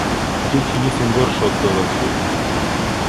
"Dzieci nie są gorsze od dorosłych."